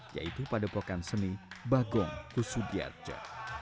yaitu padepokan seni bagong kusubiarjo